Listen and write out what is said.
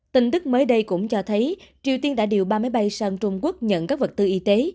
tin tức mới đây cũng cho thấy triều tiên đã điều ba máy bay sang trung quốc nhận các vật tư y tế